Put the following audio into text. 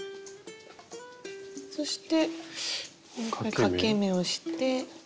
そしてかけ目をして。